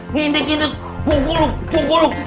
ngindik ngindik punggung lu